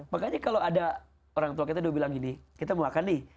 makanya kalau ada orang tua kita udah bilang gini kita mau akan nih